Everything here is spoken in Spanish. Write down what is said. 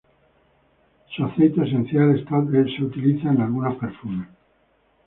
Su aceite esencial es utilizado en algunos perfumes.